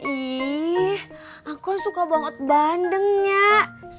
ih aku suka banget bandeng nyak